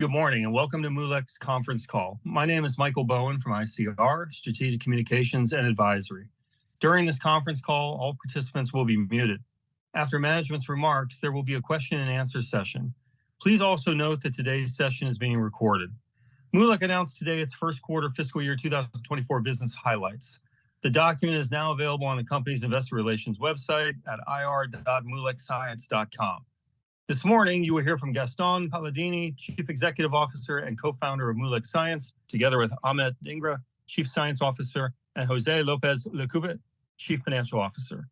Good morning, and welcome to Moolec's conference call. My name is Michael Bowen from ICR Strategic Communications and Advisory. During this conference call, all participants will be muted. After management's remarks, there will be a question and answer session. Please also note that today's session is being recorded. Moolec announced today its first quarter fiscal year 2024 business highlights. The document is now available on the company's investor relations website at ir.moolecscience.com. This morning, you will hear from Gastón Paladini, Chief Executive Officer and co-founder of Moolec Science, together with Amit Dhingra, Chief Science Officer, and José López Lecube, Chief Financial Officer.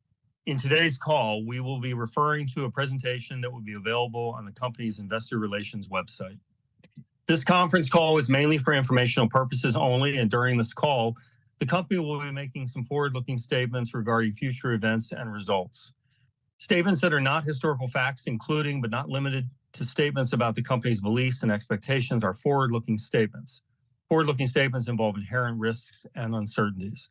In today's call, we will be referring to a presentation that will be available on the company's investor relations website. This conference call is mainly for informational purposes only, and during this call, the company will be making some forward-looking statements regarding future events and results. Statements that are not historical facts, including but not limited to statements about the company's beliefs and expectations, are forward-looking statements. Forward-looking statements involve inherent risks and uncertainties.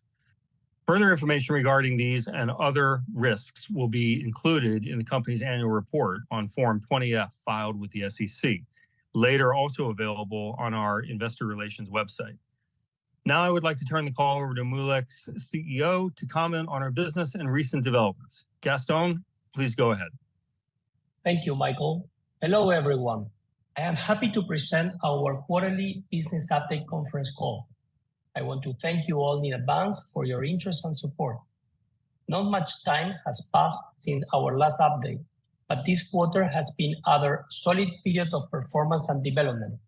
Further information regarding these and other risks will be included in the company's annual report on Form 20-F, filed with the SEC, later also available on our investor relations website. Now, I would like to turn the call over to Moolec's CEO to comment on our business and recent developments. Gastón, please go ahead. Thank you, Michael. Hello, everyone. I am happy to present our quarterly business update conference call. I want to thank you all in advance for your interest and support. Not much time has passed since our last update, but this quarter has been another solid period of performance and development.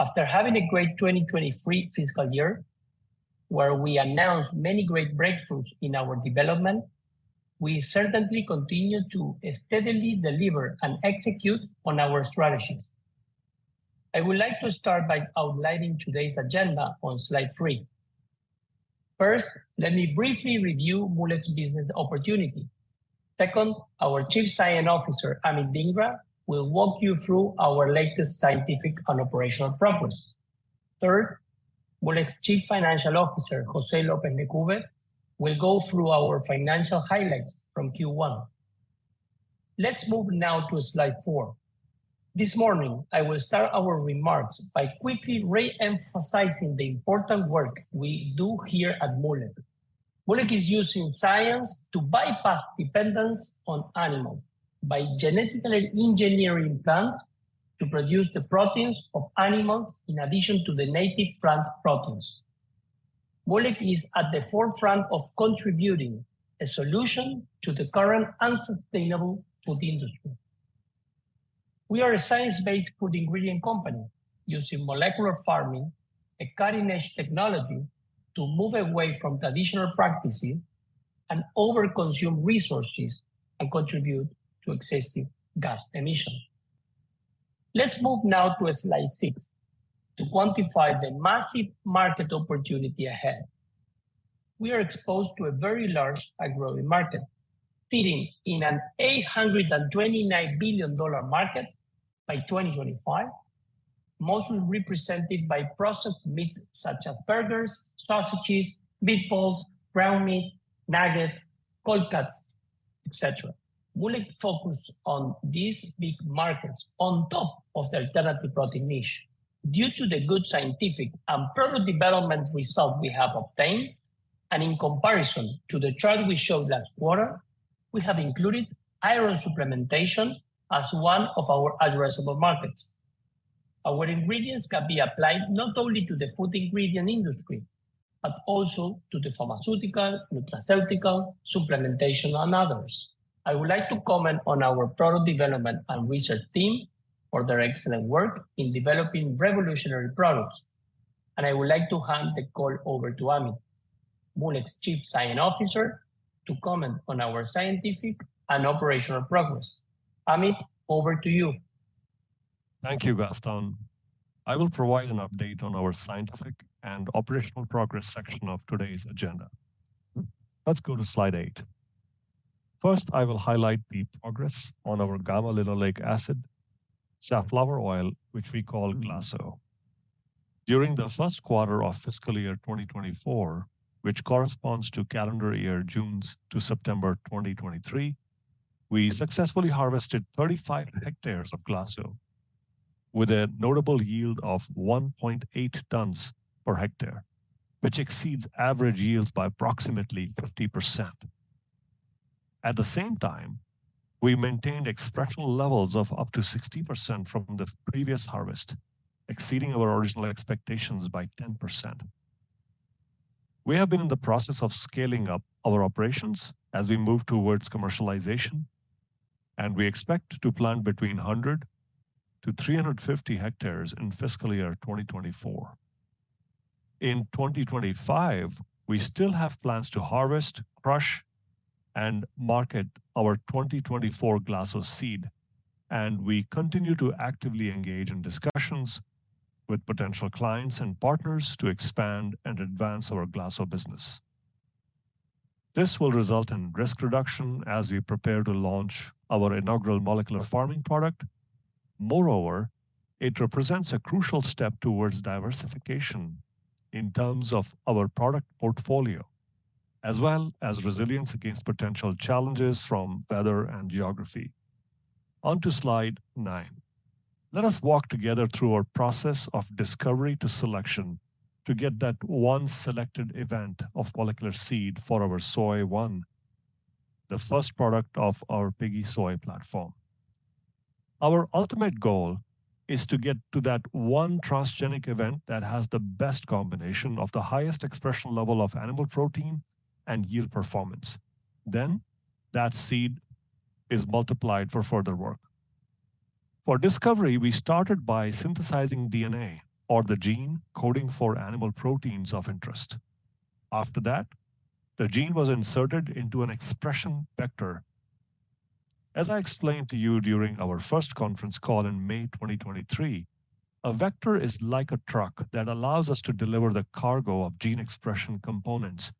After having a great 2023 fiscal year, where we announced many great breakthroughs in our development, we certainly continued to steadily deliver and execute on our strategies. I would like to start by outlining today's agenda on slide three. First, let me briefly review Moolec's business opportunity. Second, our Chief Science Officer, Amit Dhingra, will walk you through our latest scientific and operational progress. Third, Moolec's Chief Financial Officer, José López Lecube, will go through our financial highlights from Q1. Let's move now to slide four. This morning, I will start our remarks by quickly re-emphasizing the important work we do here at Moolec. Moolec is using science to bypass dependence on animals by genetically engineering plants to produce the proteins of animals in addition to the native plant proteins. Moolec is at the forefront of contributing a solution to the current unsustainable food industry. We are a science-based food ingredient company using molecular farming, a cutting-edge technology, to move away from traditional practices and overconsume resources and contribute to excessive gas emission. Let's move now to slide six to quantify the massive market opportunity ahead. We are exposed to a very large high-growing market, sitting in a $829 billion market by 2025, mostly represented by processed meat such as burgers, sausages, meatballs, ground meat, nuggets, cold cuts, et cetera. Moolec focus on these big markets on top of the alternative protein niche. Due to the good scientific and product development result we have obtained, and in comparison to the chart we showed last quarter, we have included iron supplementation as one of our addressable markets. Our ingredients can be applied not only to the food ingredient industry, but also to the pharmaceutical, nutraceutical, supplementation, and others. I would like to comment on our product development and research team for their excellent work in developing revolutionary products, and I would like to hand the call over to Amit, Moolec's Chief Science Officer, to comment on our scientific and operational progress. Amit, over to you. Thank you, Gastón. I will provide an update on our scientific and operational progress section of today's agenda. Let's go to slide eight. First, I will highlight the progress on our gamma-linolenic acid safflower oil, which we call GLASO. During the first quarter of fiscal year 2024, which corresponds to calendar year June to September 2023, we successfully harvested 35 hectares of GLASO with a notable yield of 1.8 tons per hectare, which exceeds average yields by approximately 50%. At the same time, we maintained expression levels of up to 60% from the previous harvest, exceeding our original expectations by 10%. We have been in the process of scaling up our operations as we move towards commercialization, and we expect to plant between 100-350 hectares in fiscal year 2024. In 2025, we still have plans to harvest, crush, and market our 2024 GLASO seed, and we continue to actively engage in discussions with potential clients and partners to expand and advance our GLASO business. This will result in risk reduction as we prepare to launch our inaugural molecular farming product. Moreover, it represents a crucial step towards diversification in terms of our product portfolio.... as well as resilience against potential challenges from weather and geography. On to slide nine. Let us walk together through our process of discovery to selection to get that one selected event of molecular seed for our [SOOY1], the first product of our Piggy Sooy platform. Our ultimate goal is to get to that one transgenic event that has the best combination of the highest expression level of animal protein and yield performance. Then that seed is multiplied for further work. For discovery, we started by synthesizing DNA or the gene coding for animal proteins of interest. After that, the gene was inserted into an expression vector. As I explained to you during our first conference call in May 2023, a vector is like a truck that allows us to deliver the cargo of gene expression components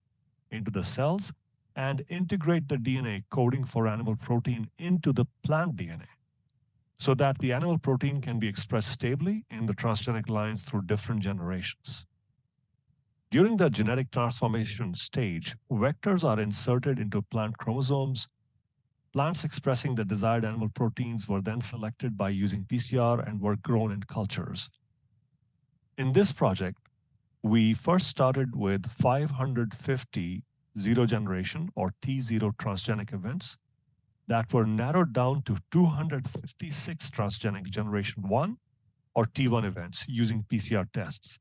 into the cells and integrate the DNA coding for animal protein into the plant DNA, so that the animal protein can be expressed stably in the transgenic lines through different generations. During the genetic transformation stage, vectors are inserted into plant chromosomes. Plants expressing the desired animal proteins were then selected by using PCR and were grown in cultures. In this project, we first started with 550 T0 transgenic events that were narrowed down to 256 T1 events using PCR tests.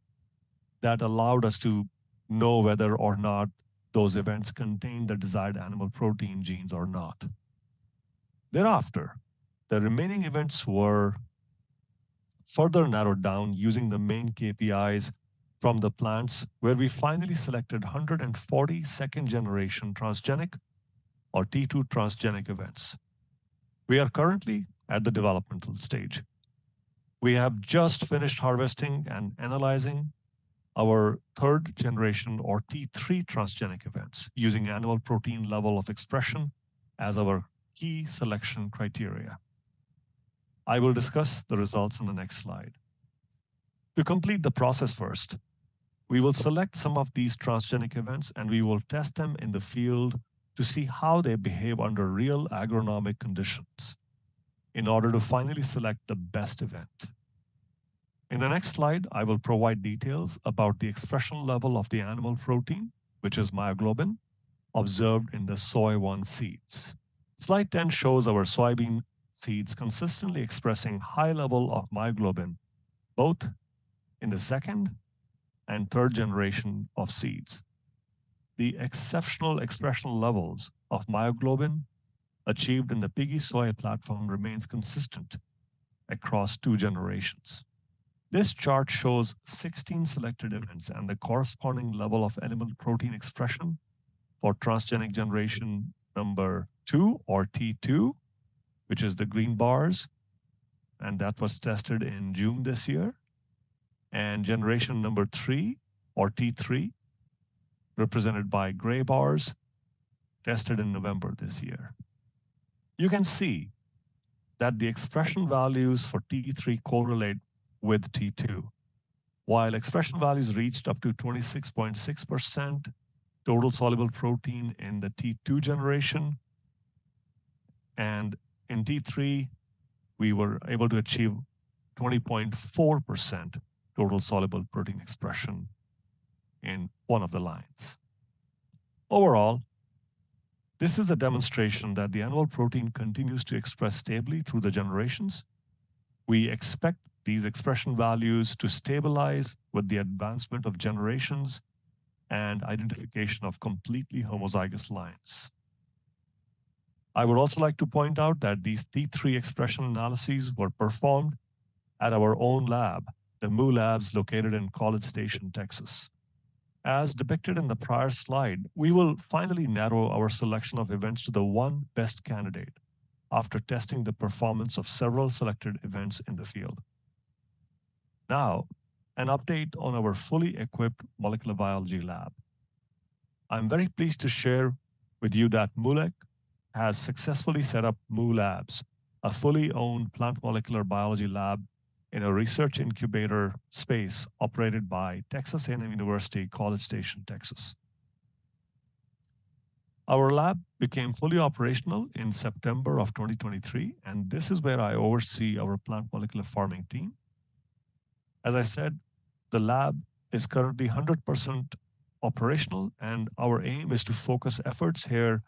That allowed us to know whether or not those events contained the desired animal protein genes or not. Thereafter, the remaining events were further narrowed down using the main KPIs from the plants, where we finally selected 140 second-generation transgenic or T2 transgenic events. We are currently at the developmental stage. We have just finished harvesting and analyzing our third generation, or T3 transgenic events, using animal protein level of expression as our key selection criteria. I will discuss the results in the next slide. To complete the process first, we will select some of these transgenic events, and we will test them in the field to see how they behave under real agronomic conditions in order to finally select the best event. In the next slide, I will provide details about the expression level of the animal protein, which is myoglobin, observed in the [SOOY1] seeds. Slide 10 shows our soybean seeds consistently expressing high level of myoglobin, both in the second and third generation of seeds. The exceptional expression levels of myoglobin achieved in the Piggy Sooy platform remains consistent across two generations. This chart shows 16 selected events and the corresponding level of animal protein expression for transgenic generation number two or T2, which is the green bars, and that was tested in June this year, and generation number three or T3, represented by gray bars, tested in November this year. You can see that the expression values for T3 correlate with T2. While expression values reached up to 26.6% total soluble protein in the T2 generation, and in T3, we were able to achieve 20.4% total soluble protein expression in one of the lines. Overall, this is a demonstration that the animal protein continues to express stably through the generations. We expect these expression values to stabilize with the advancement of generations and identification of completely homozygous lines. I would also like to point out that these T3 expression analyses were performed at our own lab, the MooLabs, located in College Station, Texas. As depicted in the prior slide, we will finally narrow our selection of events to the one best candidate after testing the performance of several selected events in the field. Now, an update on our fully equipped molecular biology lab. I'm very pleased to share with you that Moolec has successfully set up MooLabs, a fully owned plant molecular biology lab in a research incubator space operated by Texas A&M University, College Station, Texas. Our lab became fully operational in September of 2023, and this is where I oversee our plant molecular farming team. As I said, the lab is currently 100% operational, and our aim is to focus efforts here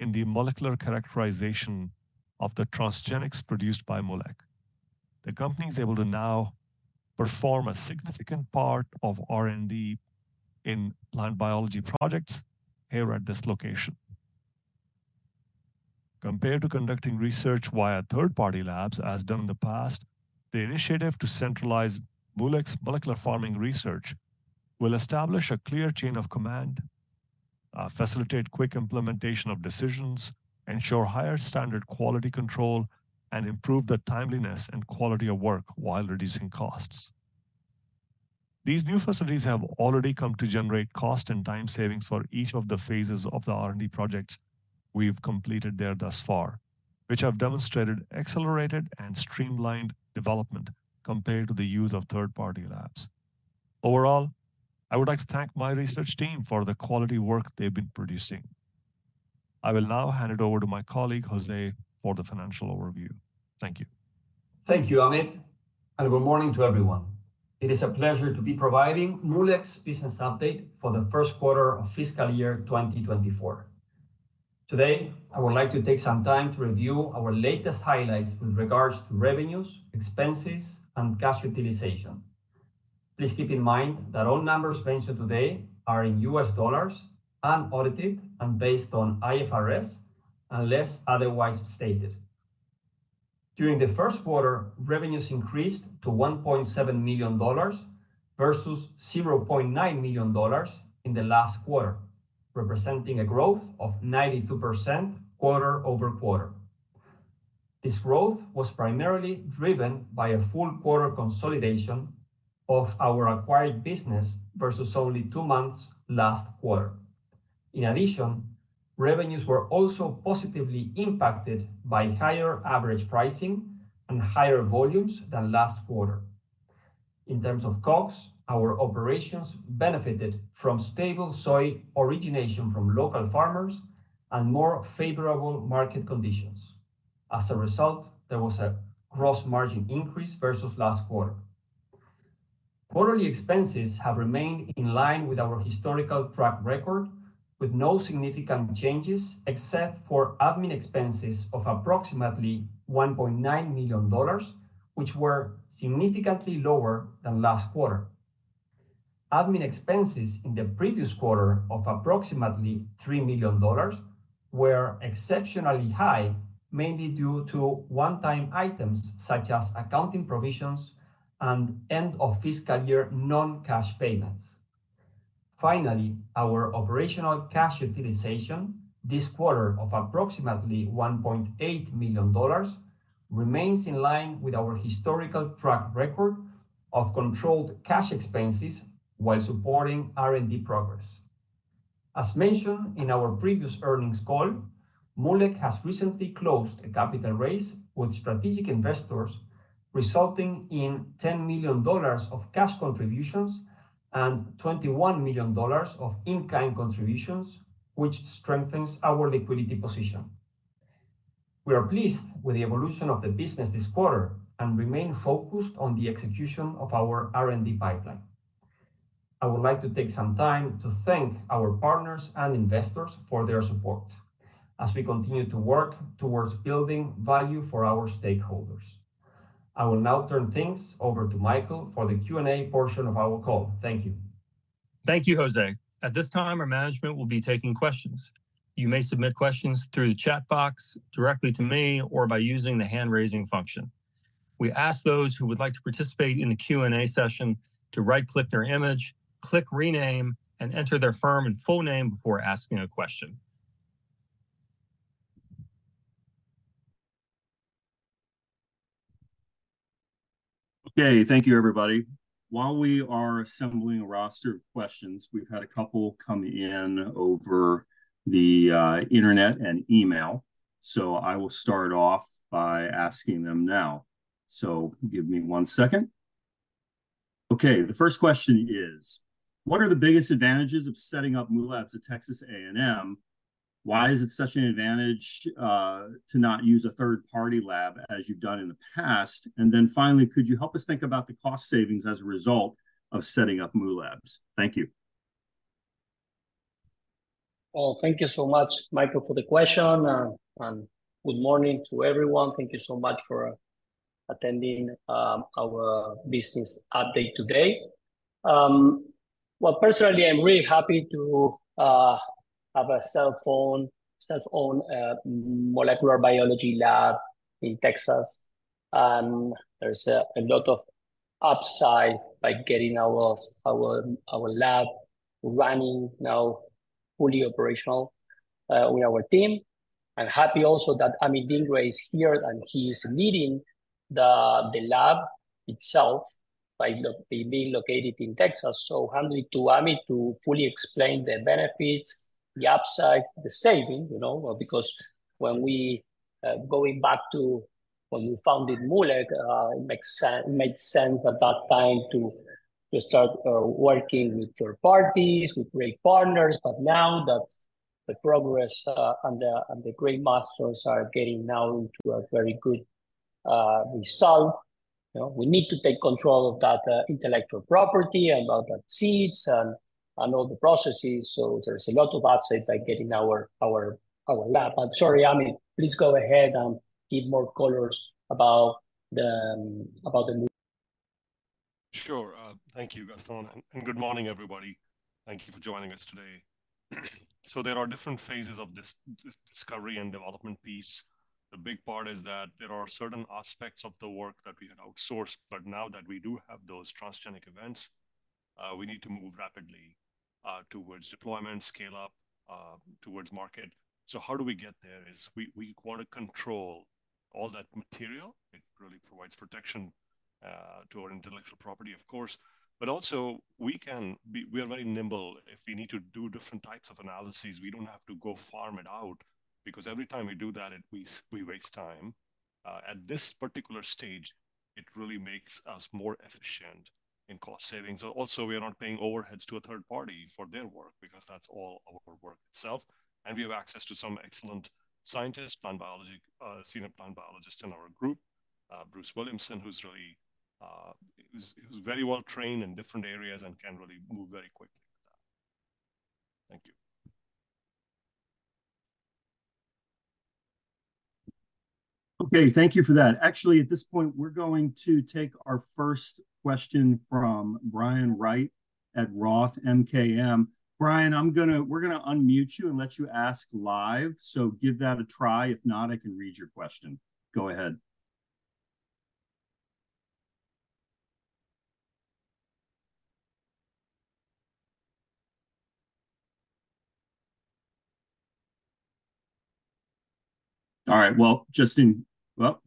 in the molecular characterization of the transgenics produced by Moolec. The company is able to now perform a significant part of R&D in plant biology projects here at this location. Compared to conducting research via third-party labs, as done in the past, the initiative to centralize Moolec's molecular farming research will establish a clear chain of command, facilitate quick implementation of decisions, ensure higher standard quality control, and improve the timeliness and quality of work while reducing costs. These new facilities have already come to generate cost and time savings for each of the phases of the R&D projects we've completed there thus far.... which have demonstrated accelerated and streamlined development compared to the use of third-party labs. Overall, I would like to thank my research team for the quality work they've been producing. I will now hand it over to my colleague, José, for the financial overview. Thank you. Thank you, Amit, and good morning to everyone. It is a pleasure to be providing Moolec business update for the first quarter of fiscal year 2024. Today, I would like to take some time to review our latest highlights with regards to revenues, expenses, and cash utilization. Please keep in mind that all numbers mentioned today are in US dollars, unaudited, and based on IFRS, unless otherwise stated. During the first quarter, revenues increased to $1.7 million versus $0.9 million in the last quarter, representing a growth of 92% quarter-over-quarter. This growth was primarily driven by a full quarter consolidation of our acquired business versus only two months last quarter. In addition, revenues were also positively impacted by higher average pricing and higher volumes than last quarter. In terms of COGS, our operations benefited from stable soy origination from local farmers and more favorable market conditions. As a result, there was a gross margin increase versus last quarter. Quarterly expenses have remained in line with our historical track record, with no significant changes, except for admin expenses of approximately $1.9 million, which were significantly lower than last quarter. Admin expenses in the previous quarter of approximately $3 million were exceptionally high, mainly due to one-time items, such as accounting provisions and end of fiscal year non-cash payments. Finally, our operational cash utilization this quarter of approximately $1.8 million remains in line with our historical track record of controlled cash expenses while supporting R&D progress. As mentioned in our previous earnings call, Moolec has recently closed a capital raise with strategic investors, resulting in $10 million of cash contributions and $21 million of in-kind contributions, which strengthens our liquidity position. We are pleased with the evolution of the business this quarter and remain focused on the execution of our R&D pipeline. I would like to take some time to thank our partners and investors for their support as we continue to work towards building value for our stakeholders. I will now turn things over to Michael for the Q&A portion of our call. Thank you. Thank you, José. At this time, our management will be taking questions. You may submit questions through the chat box, directly to me, or by using the hand-raising function. We ask those who would like to participate in the Q&A session to right-click their image, click Rename, and enter their firm and full name before asking a question. Okay, thank you, everybody. While we are assembling a roster of questions, we've had a couple come in over the internet and email, so I will start off by asking them now. So give me one second. Okay, the first question is: What are the biggest advantages of setting up MooLabs at Texas A&M? Why is it such an advantage to not use a third-party lab, as you've done in the past? And then finally, could you help us think about the cost savings as a result of setting up MooLabs? Thank you. Well, thank you so much, Michael, for the question, and good morning to everyone. Thank you so much for attending our business update today. Well, personally, I'm really happy to have a self-owned molecular biology lab in Texas, and there's a lot of upsides by getting our lab running now, fully operational, with our team. I'm happy also that Amit Dhingra is here, and he is leading the lab itself by it being located in Texas. So handy to Amit to fully explain the benefits, the upsides, the savings, you know, because when we... Going back to when we founded Moolec, it makes sense- it made sense at that time to start working with third parties, with great partners. But now that the progress and the great masters are getting now into a very good result, you know, we need to take control of that intellectual property and all the seeds and all the processes. So there's a lot of upsides by getting our lab. But sorry, Amit, please go ahead and give more colors about the Mu- Sure. Thank you, Gastón, and good morning, everybody. Thank you for joining us today. So there are different phases of this discovery and development piece. The big part is that there are certain aspects of the work that we had outsourced, but now that we do have those transgenic events, we need to move rapidly towards deployment, scale up, towards market. So how do we get there is we want to control all that material, it really provides protection to our intellectual property, of course. But also, we are very nimble. If we need to do different types of analyses, we don't have to go farm it out, because every time we do that, we waste time. At this particular stage, it really makes us more efficient in cost savings. Also, we are not paying overheads to a third party for their work, because that's all our work itself, and we have access to some excellent scientists, plant biology, senior plant biologists in our group, Bruce Williamson, who's really very well trained in different areas and can really move very quickly with that. Thank you. Okay, thank you for that. Actually, at this point, we're going to take our first question from Brian Wright at Roth MKM. Brian, I'm gonna- we're gonna unmute you and let you ask live, so give that a try. If not, I can read your question. Go ahead. All right, well... Well,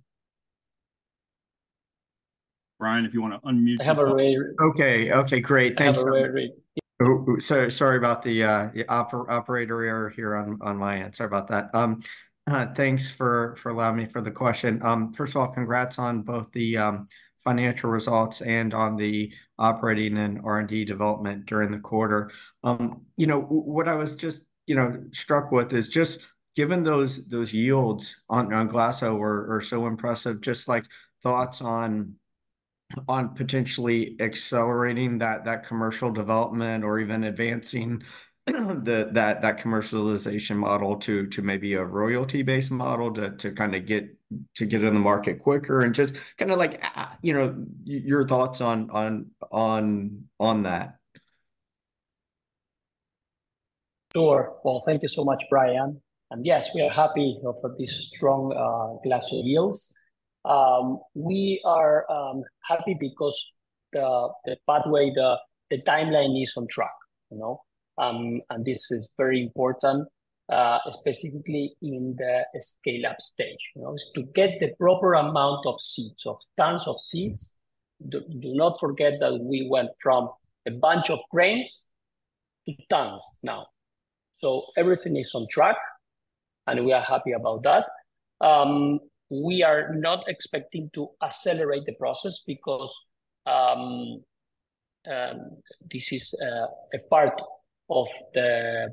Brian, if you wanna unmute yourself- I have a way. Okay. Okay, great. Thanks. I have a way. Oh, so sorry about the, the operator error here on, on my end. Sorry about that. Thanks for allowing me for the question. First of all, congrats on both the financial results and on the operating and R&D development during the quarter. You know, what I was just, you know, struck with is just, given those, those yields on GLASO were, are so impressive, just, like, thoughts on potentially accelerating that commercial development or even advancing that commercialization model to maybe a royalty-based model to kind of get it in the market quicker? And just kind of like, you know, your thoughts on that. Sure. Well, thank you so much, Brian. And yes, we are happy of, for these strong GLASO yields. We are happy because the pathway, the timeline is on track, you know? And this is very important, specifically in the scale-up stage, you know. To get the proper amount of seeds, of tons of seeds, do not forget that we went from a bunch of grains to tons now. So everything is on track, and we are happy about that. We are not expecting to accelerate the process because this is a part of the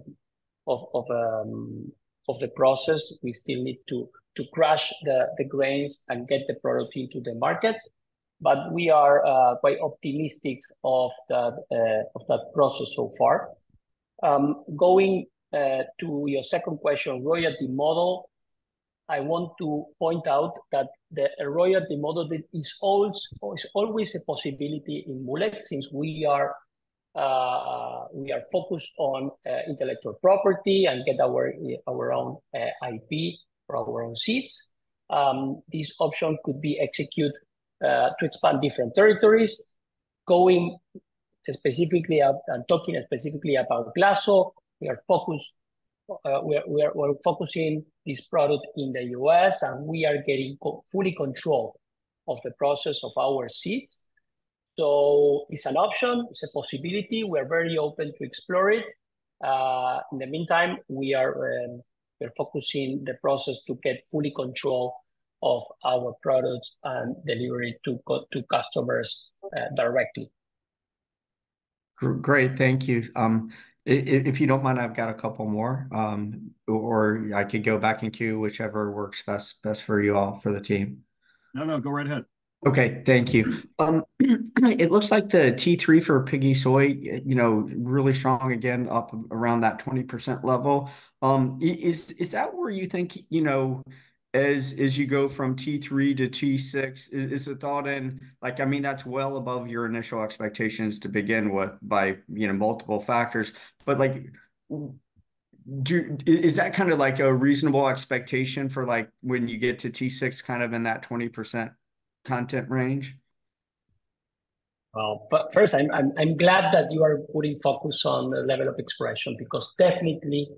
process. We still need to crush the grains and get the product into the market, but we are quite optimistic of that process so far. Going to your second question, royalty model, I want to point out that the royalty model, it is always, it's always a possibility in Moolec, since we are focused on intellectual property and get our own IP for our own seeds. This option could be executed to expand different territories. Going specifically and talking specifically about GLASO, we are focusing this product in the U.S., and we are getting fully control of the process of our seeds. So it's an option, it's a possibility. We are very open to explore it. In the meantime, we are focusing the process to get fully control of our products and delivery to customers directly. Great, thank you. If you don't mind, I've got a couple more, or I could go back in queue, whichever works best for you all, for the team. No, no, go right ahead. Okay. Thank you. It looks like the T3 for Piggy Sooy, you know, really strong, again, up around that 20% level. Is that where you think, you know, as you go from T3 to T6, is the thought in... Like, I mean, that's well above your initial expectations to begin with by, you know, multiple factors. But, like, is that kind of like a reasonable expectation for, like, when you get to T6, kind of in that 20% content range? Well, but first, I'm glad that you are putting focus on the level of expression, because definitely,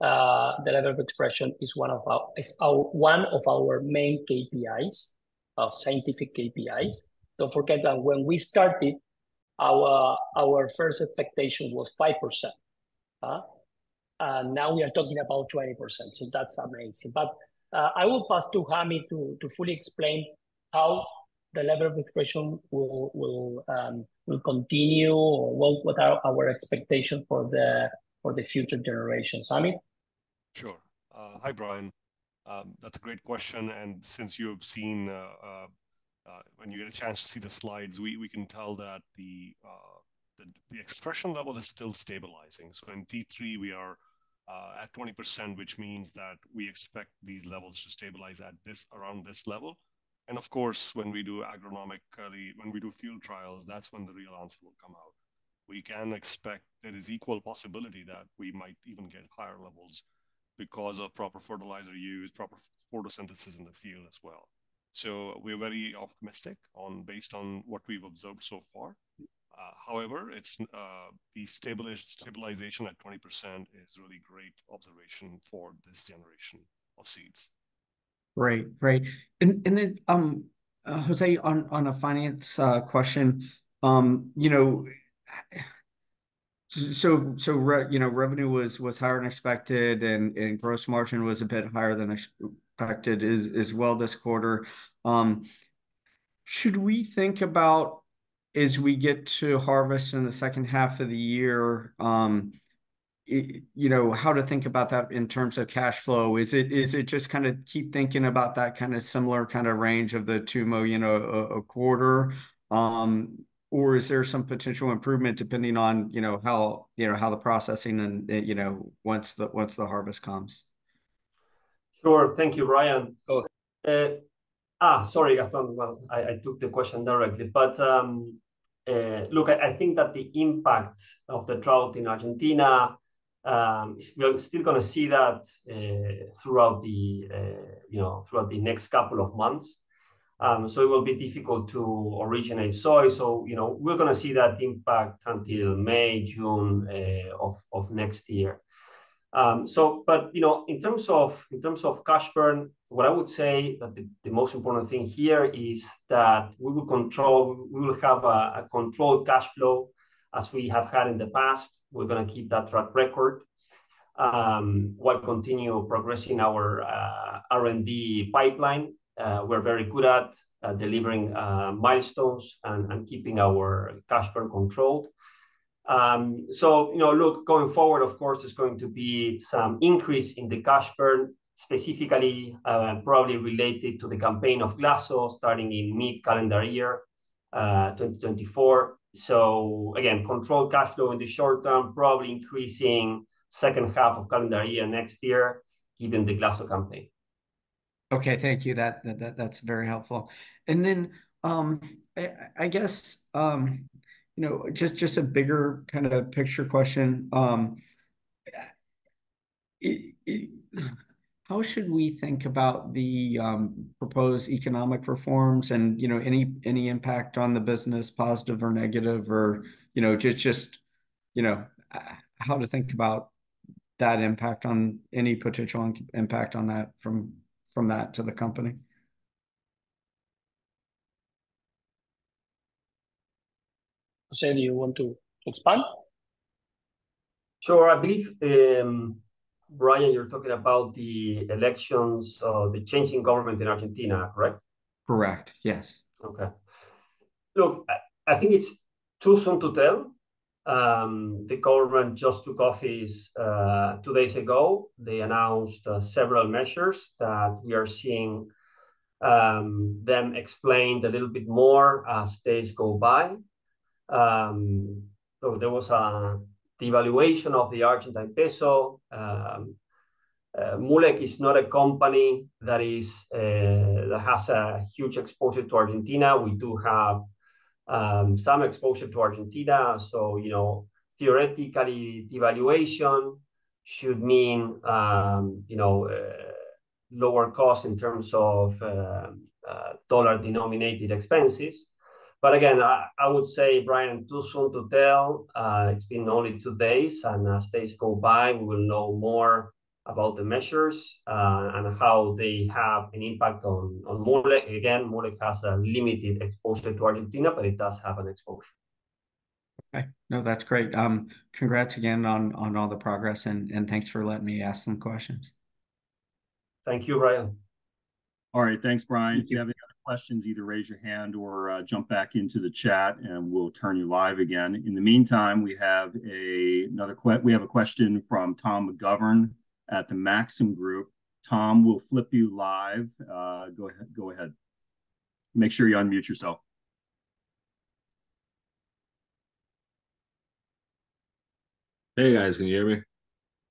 the level of expression is one of our main scientific KPIs. Don't forget that when we started, our first expectation was 5%, and now we are talking about 20%, so that's amazing. But I will pass to Amit to fully explain how the level of expression will continue, or what our expectations are for the future generations. Amit? Sure. Hi, Brian. That's a great question, and since you've seen, when you get a chance to see the slides, we can tell that the expression level is still stabilizing. So in T3, we are at 20%, which means that we expect these levels to stabilize at this, around this level. And of course, when we do agronomically, when we do field trials, that's when the real answer will come out. We can expect there is equal possibility that we might even get higher levels, because of proper fertilizer use, proper photosynthesis in the field as well.... so we're very optimistic on, based on what we've observed so far. However, the stabilization at 20% is really great observation for this generation of seeds. Great. Great. And then, José, on a finance question, you know, so revenue was higher than expected, and gross margin was a bit higher than expected as well this quarter. Should we think about, as we get to harvest in the second half of the year, you know, how to think about that in terms of cash flow? Is it just kind of keep thinking about that kind of similar kind of range of the $2 million a quarter, or is there some potential improvement, depending on, you know, how the processing and, you know, once the harvest comes? Sure. Thank you, Brian. Okay. Sorry, I thought, well, I took the question directly. But, look, I think that the impact of the drought in Argentina, we are still gonna see that, throughout the, you know, throughout the next couple of months. So it will be difficult to originate soy. So, you know, we're gonna see that impact until May, June, of next year. So but, you know, in terms of cash burn, what I would say that the most important thing here is that we will control... We will have a controlled cash flow, as we have had in the past. We're gonna keep that track record, while continue progressing our R&D pipeline. We're very good at delivering milestones and keeping our cash burn controlled. So, you know, look, going forward, of course, there's going to be some increase in the cash burn, specifically, probably related to the campaign of GLASO starting in mid-calendar year 2024. So again, controlled cash flow in the short term, probably increasing second half of calendar year next year, given the GLASO campaign. Okay, thank you. That, that, that's very helpful. And then, I guess, you know, just, just a bigger kind of picture question, how should we think about the, proposed economic reforms and, you know, any, any impact on the business, positive or negative? Or, you know, just, just, you know, how to think about that impact on any potential impact on that from, from that to the company? José, you want to expand? Sure. I believe, Brian, you're talking about the elections, the change in government in Argentina, correct? Correct, yes. Okay. Look, I think it's too soon to tell. The government just took office two days ago. They announced several measures that we are seeing them explained a little bit more as days go by. So there was devaluation of the Argentine peso. Moolec is not a company that is that has a huge exposure to Argentina. We do have some exposure to Argentina, so, you know, theoretically, devaluation should mean, you know, lower cost in terms of dollar-denominated expenses. But again, I would say, Brian, too soon to tell. It's been only two days, and as days go by, we will know more about the measures and how they have an impact on Moolec. Again, Moolec has a limited exposure to Argentina, but it does have an exposure. Okay. No, that's great. Congrats again on all the progress, and thanks for letting me ask some questions. Thank you, Brian. All right. Thanks, Brian. Thank you. If you have any other questions, either raise your hand or jump back into the chat, and we'll turn you live again. In the meantime, we have a question from Tom McGovern at the Maxim Group. Tom, we'll flip you live. Go ahead, go ahead. Make sure you unmute yourself. Hey, guys, can you hear me?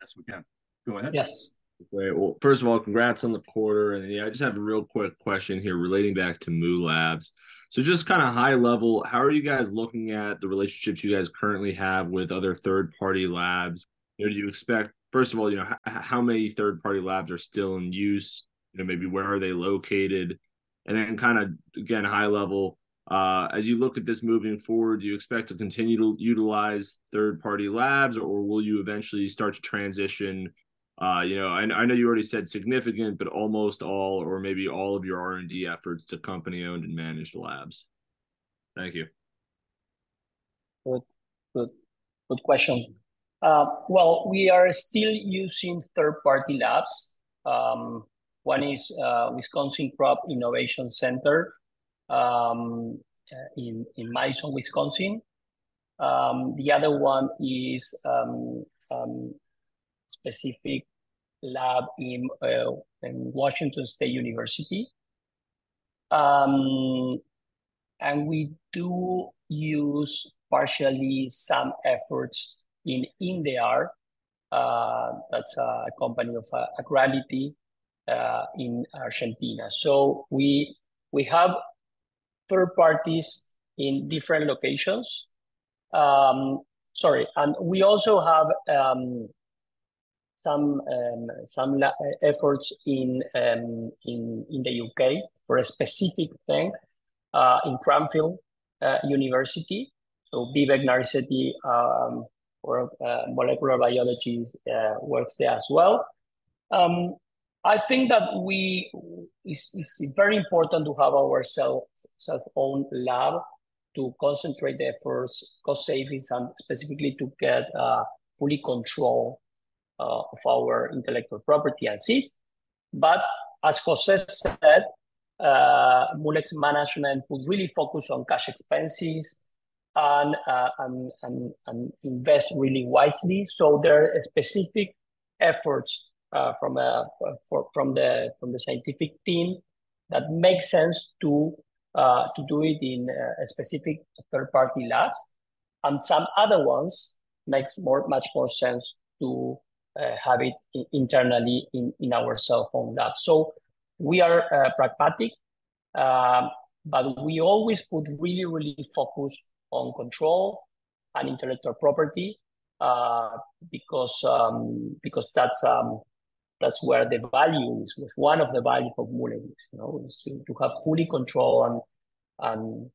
Yes, we can. Go ahead. Yes. Okay. Well, first of all, congrats on the quarter. And yeah, I just have a real quick question here relating back to MooLabs. So just kind of high level, how are you guys looking at the relationships you guys currently have with other third-party labs? Do you expect... First of all, you know, how many third-party labs are still in use? You know, maybe where are they located? And then kind of, again, high level, as you look at this moving forward, do you expect to continue to utilize third-party labs, or will you eventually start to transition, you know... I know you already said significant, but almost all or maybe all of your R&D efforts to company-owned and managed labs? Thank you. Good, good, good question. Well, we are still using third-party labs. One is Wisconsin Crop Innovation Center in Madison, Wisconsin. The other one is specific lab in Washington State University. And we do use partially some efforts in INDEAR. That's a company of Agrality in Argentina. So we have third parties in different locations. Sorry, and we also have-... some efforts in the U.K. for a specific thing in Cranfield University. So Vivek Narisetty, molecular biology, works there as well. I think that it's very important to have our self-owned lab to concentrate the efforts, cost savings, and specifically to get fully control of our intellectual property and seed. But as José said, Moolec management will really focus on cash expenses and invest really wisely. So there are specific efforts from the scientific team that makes sense to do it in a specific third-party labs. And some other ones makes much more sense to have it internally in our self-owned lab. So we are pragmatic, but we always put really, really focus on control and intellectual property, because that's where the value is. One of the value of Moolec, you know, is to have full control and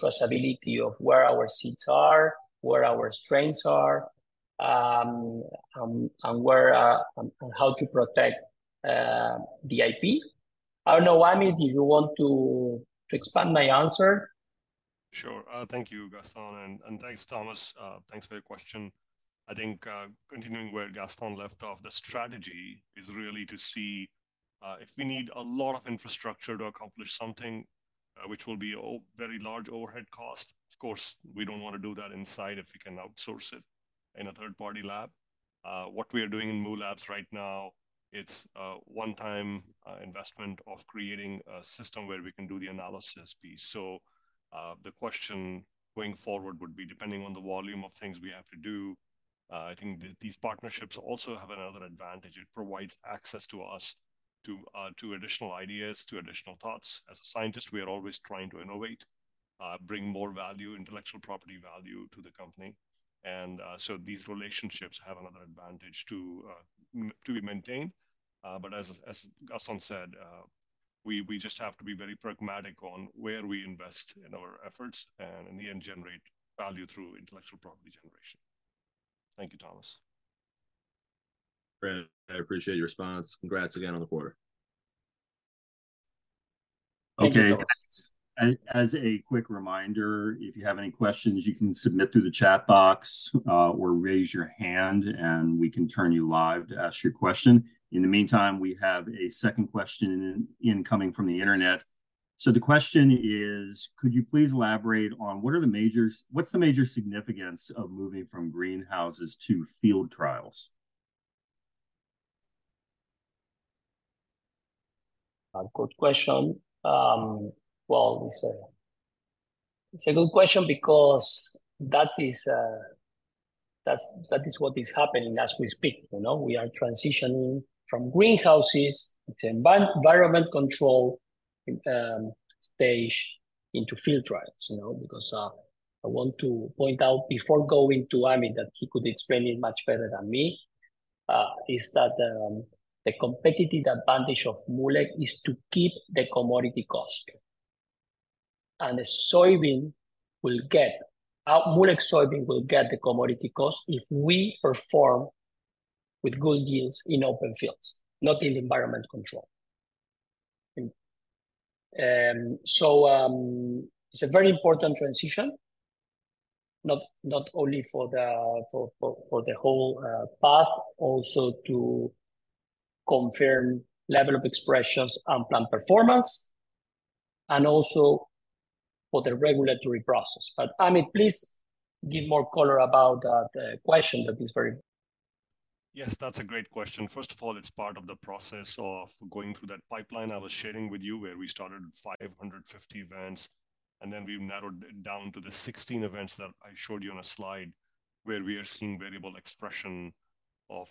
traceability of where our seeds are, where our strengths are, and where and how to protect the IP. I don't know, Amit, if you want to expand my answer? Sure. Thank you, Gastón, and thanks, Thomas. Thanks for your question. I think, continuing where Gastón left off, the strategy is really to see if we need a lot of infrastructure to accomplish something, which will be very large overhead cost. Of course, we don't wanna do that inside if we can outsource it in a third-party lab. What we are doing in Moolec labs right now, it's a one-time investment of creating a system where we can do the analysis piece. So, the question going forward would be, depending on the volume of things we have to do, I think these partnerships also have another advantage. It provides access to us to additional ideas, to additional thoughts. As a scientist, we are always trying to innovate, bring more value, intellectual property value, to the company. So these relationships have another advantage to be maintained. But as Gastón said, we just have to be very pragmatic on where we invest in our efforts, and in the end, generate value through intellectual property generation. Thank you, Thomas. Great. I appreciate your response. Congrats again on the quarter. Okay, as a quick reminder, if you have any questions, you can submit through the chat box, or raise your hand, and we can turn you live to ask your question. In the meantime, we have a second question incoming from the internet. So the question is: Could you please elaborate on what's the major significance of moving from greenhouses to field trials? A good question. Well, it's a, it's a good question because that is, that's, that is what is happening as we speak, you know? We are transitioning from greenhouses to environment control stage into field trials, you know, because I want to point out before going to Amit, that he could explain it much better than me, is that, the competitive advantage of Moolec is to keep the commodity cost. And the soybean will get, Moolec soybean will get the commodity cost if we perform with good yields in open fields, not in environment control. So, it's a very important transition, not, not only for the, for, for, for the whole path, also to confirm level of expressions and plant performance, and also for the regulatory process. But, Amit, please give more color about, the question. That is very- Yes, that's a great question. First of all, it's part of the process of going through that pipeline I was sharing with you, where we started 550 events, and then we've narrowed it down to the 16 events that I showed you on a slide, where we are seeing variable expression of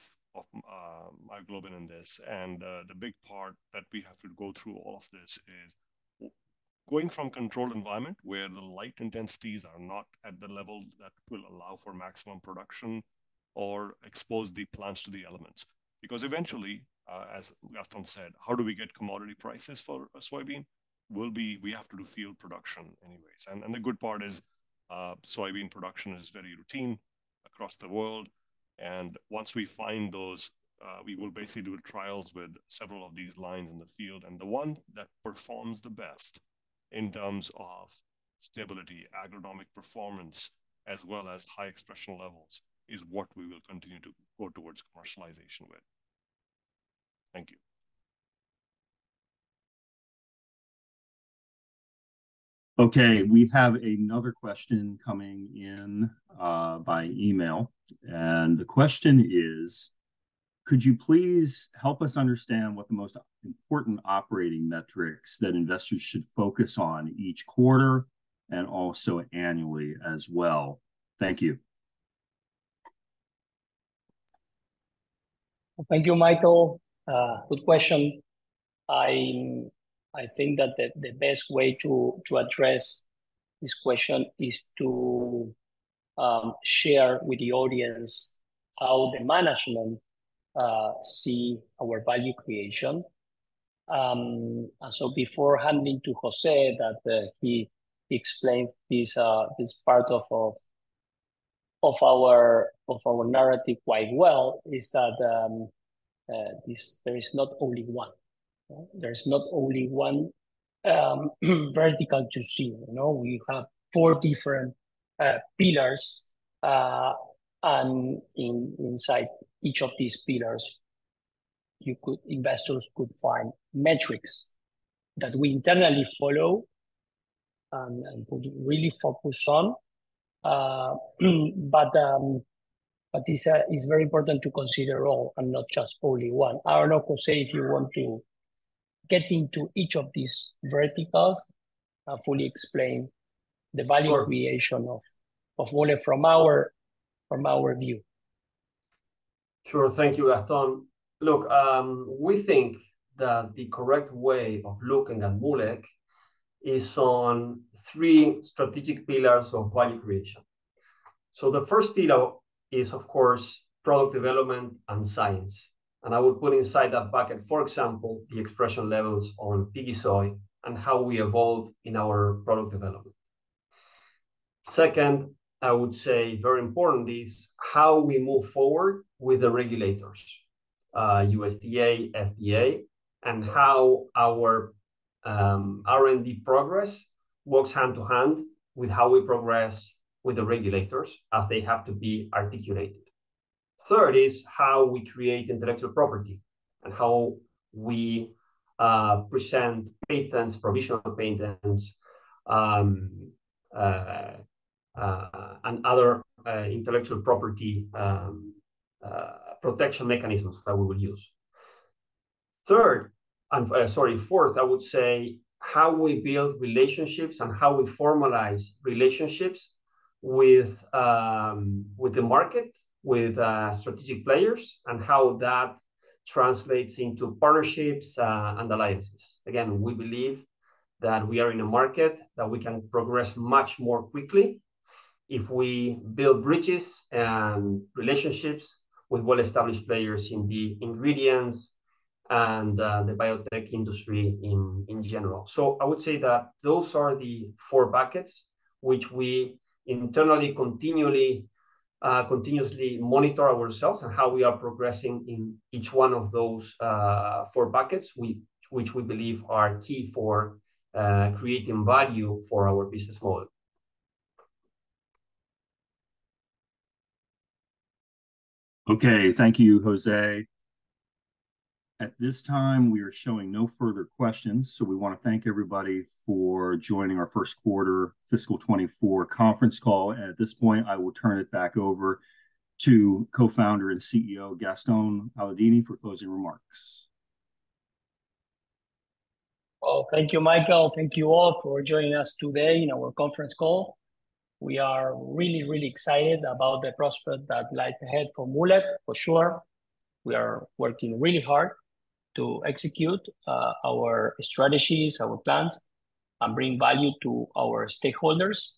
myoglobin in this. And the big part that we have to go through all of this is going from controlled environment, where the light intensities are not at the level that will allow for maximum production or expose the plants to the elements. Because eventually, as Gastón said, how do we get commodity prices for a soybean? We have to do field production anyways. The good part is, soybean production is very routine across the world, and once we find those, we will basically do trials with several of these lines in the field. The one that performs the best in terms of stability, agronomic performance, as well as high expression levels, is what we will continue to go towards commercialization with. Thank you. Okay, we have another question coming in, by email, and the question is: Could you please help us understand what the most important operating metrics that investors should focus on each quarter, and also annually as well? Thank you. Thank you, Michael. Good question. I think that the best way to address this question is to share with the audience how the management see our value creation. And so before handing to José, that he explains this part of our narrative quite well, is that there is not only one. Okay? There's not only one vertical to see. You know, we have four different pillars, and inside each of these pillars, you could... investors could find metrics that we internally follow, and would really focus on. But this is very important to consider all, and not just only one. I don't know, José, if you want to get into each of these verticals, fully explain the value- Sure... creation of Moolec from our view. Sure. Thank you, Gastón. Look, we think that the correct way of looking at Moolec is on three strategic pillars of value creation. So the first pillar is, of course, product development and science, and I would put inside that bucket, for example, the expression levels on Piggy Sooy and how we evolve in our product development. Second, I would say, very important, is how we move forward with the regulators, USDA, FDA, and how our R&D progress works hand to hand with how we progress with the regulators, as they have to be articulated. Third is how we create intellectual property, and how we present patents, provisional patents, and other intellectual property protection mechanisms that we will use. Third, fourth, I would say how we build relationships and how we formalize relationships with, with the market, with, strategic players, and how that translates into partnerships, and the alliances. Again, we believe that we are in a market that we can progress much more quickly if we build bridges and relationships with well-established players in the ingredients and, the biotech industry in general. So I would say that those are the four buckets which we internally continually, continuously monitor ourselves and how we are progressing in each one of those, four buckets, which we believe are key for, creating value for our business model. Okay, thank you, José. At this time, we are showing no further questions, so we wanna thank everybody for joining our first quarter fiscal 2024 conference call. At this point, I will turn it back over to Co-founder and CEO, Gastón Paladini, for closing remarks. Well, thank you, Michael. Thank you all for joining us today in our conference call. We are really, really excited about the prospect that lie ahead for Moolec, for sure. We are working really hard to execute, our strategies, our plans, and bring value to our stakeholders.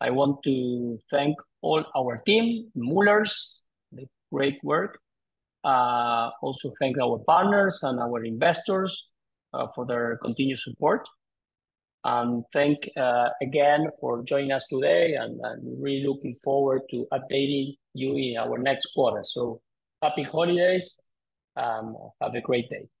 I want to thank all our team, Moolecers, the great work. Also thank our partners and our investors, for their continued support. And thank, again, for joining us today, and I'm really looking forward to updating you in our next quarter. So happy holidays. Have a great day. Bye-bye.